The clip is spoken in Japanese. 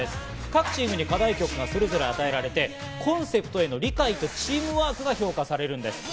各チームに課題曲がそれぞれ与えられて、コンセプトへの理解とチームワークが評価されるんです。